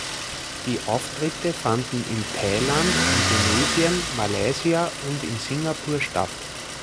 Die Auftritte fanden in Thailand, Indonesien, Malaysia und in Singapur statt.